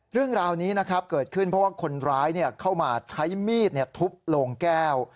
เรื่องราวนี้นะครับเกิดขึ้นเพราะว่าคนร้ายเข้ามาใช้มีดทุบโลงแก้ว